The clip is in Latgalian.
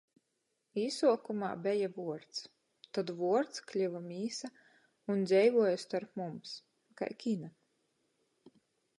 Īsuokumā beja vuords. Tod vuords kliva mīsa un dzeivuoja storp mums - kai kina.